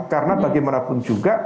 karena bagaimanapun juga